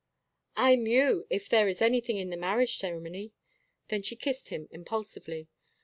"I'm you, if there is anything in the marriage ceremony." Then she kissed him impulsively.